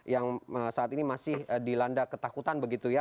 yang saat ini masih dilanda ketakutan begitu ya